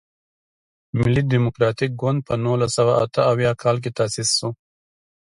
ملي ډیموکراتیک ګوند په نولس سوه اته اویا کال کې تاسیس شو.